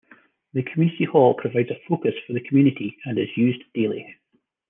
The community hall provides a focus for the community and is used daily.